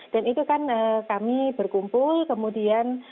dan itu kan kami berkumpul kemudian